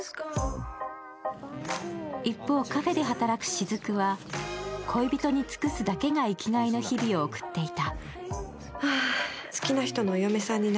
一方、カフェで働く雫は恋人に尽くすだけが生きがいの日々を送っていた。